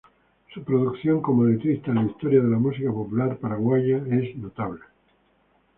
Su producción como letrista en la historia de la música popular paraguaya es notable.